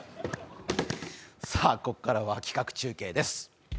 さあ、ここからは企画中継です。